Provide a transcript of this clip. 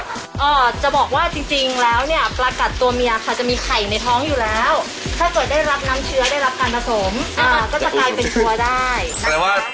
ถ้าเกิดได้รับน้ำเชื้อได้รับการผสมก็จะกลายเป็นชัวร์ได้